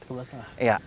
tiga bulan setengah